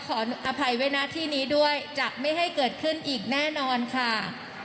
ขออภัยไว้หน้าที่นี้ด้วยจะไม่ให้เกิดขึ้นอีกแน่นอนค่ะ